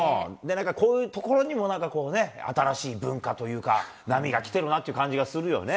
なんかこういうところにもなんかこうね、新しい文化というか、波が来てるなって感じがするよね。